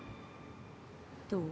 どう？